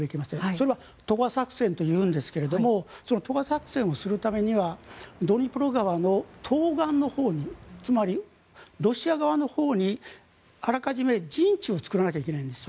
それは渡河作戦というんですが渡河作戦をするためにはドニプロ川の東岸のほうにつまりロシア側のほうにあらかじめ陣地を作らないといけないんです。